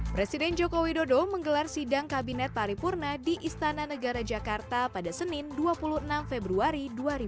presiden jokowi dodo menggelar sidang kabinet paripurna di istana negara jakarta pada senin dua puluh enam februari dua ribu dua puluh empat